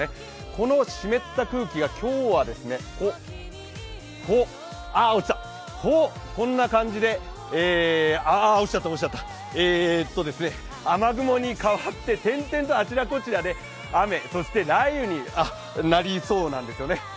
この湿った空気が今日はあ、落ちた、こんな感じでああ、落ちちゃった雨雲に変わって点々とあちらこちらで雨、そして雷雨になりそうなんですよね。